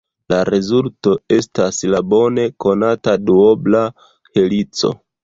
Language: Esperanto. La rezulto estas la bone konata duobla helico.